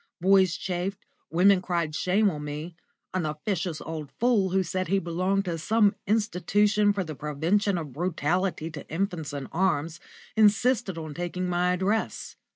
Boys chaffed, women cried shame on me; an officious old fool, who said he belonged to some institution for the Prevention of Brutality to Infants in Arms, insisted on taking my address.